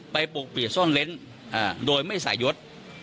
ไปปลูกเปลี่ยนซ่อนเล้นโดยไม่ใส่ยศ